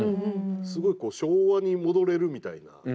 すごい昭和に戻れるみたいな。